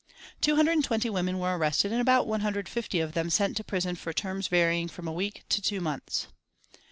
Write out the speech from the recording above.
Two hundred and twenty women were arrested and about 150 of them sent to prison for terms varying from a week to two months.